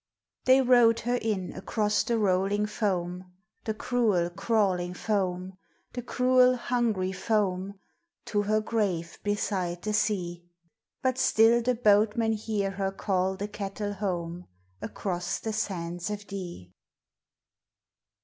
They rowed her in across the rolling foam, The cruel, crawling foam, The cruel, hungry foam, To her grave beside the sea; But still the boatmen hear her call the cattle home Across the sands o' Dee.